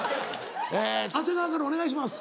え長谷川からお願いします。